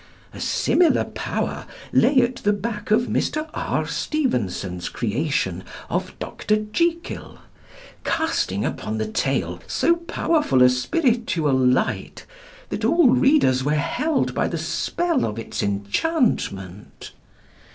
A similar power lay at the back of Mr. R. Stevenson's creation of Dr. Jekyll, casting upon the tale so powerful a spiritual light, that all readers were held by the spell of its enchantment.